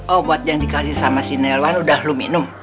obat yang dikasih sama sinarawan udah lumih num